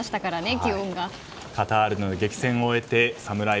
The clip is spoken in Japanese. カタールでの激戦を終えてサムライ